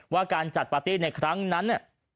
ว่าการจัดพาร์ตี้ในครั้งนั้น